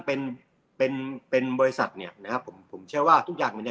เป็นเป็นเป็นบริษัทเนี้ยนะครับผมเชื่อว่าทุกอย่างมันจะ